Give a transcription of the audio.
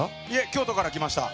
京都から来ました。